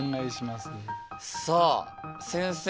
さあ先生